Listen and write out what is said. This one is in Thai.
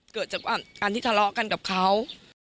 เกิดจากการที่ทะเลาะกันกับเขา